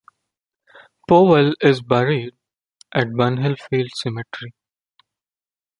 Powell is buried at Bunhill Fields cemetery.